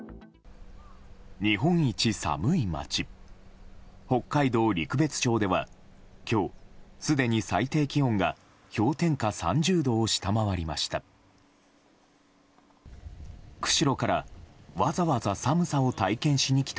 日本一寒い町北海道陸別町では今日、すでに最低気温が氷点下３０度を下回りました。